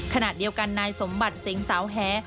ขณะเดียวกันนายสมบัติเสงสาวแห